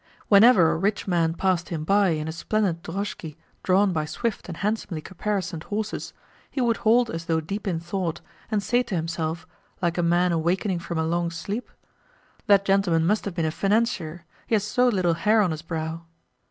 Whenever a rich man passed him by in a splendid drozhki drawn by swift and handsomely caparisoned horses, he would halt as though deep in thought, and say to himself, like a man awakening from a long sleep: "That gentleman must have been a financier, he has so little hair on his brow."